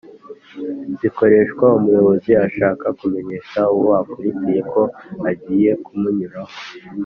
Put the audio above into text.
zikoreshwa umuyobozi ashaka kumenyesha uwo akurikiye ko agiye kumunyuraho